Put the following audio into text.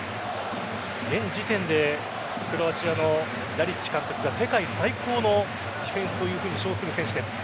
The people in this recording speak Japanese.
現時点でクロアチアのダリッチ監督が世界最高のディフェンスというふうに称する選手です。